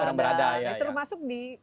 di mana dia berada ya itu masuk di